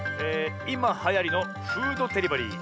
いまはやりのフードデリバリー。